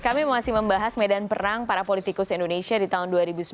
kami masih membahas medan perang para politikus indonesia di tahun dua ribu sembilan belas